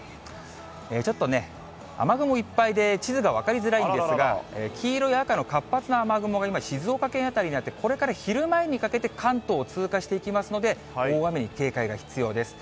ちょっと雨雲いっぱいで、地図が分かりづらいんですが、黄色や赤の活発な雨雲が今、静岡県辺りにあって、これから昼前にかけて関東を通過していきますので、大雨に警戒が必要です。